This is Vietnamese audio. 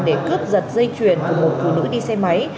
để cướp giật dây chuyền của một phụ nữ đi xe máy